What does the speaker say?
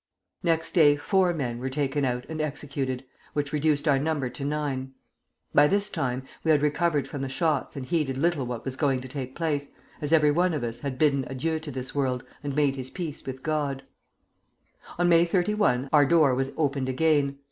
"Next day four men were taken out and executed, which reduced our number to nine. By this time we had recovered from the shots and heeded little what was going to take place, as every one of us had bidden adieu to this world and made his peace with God. "On May 31 our door was opened again.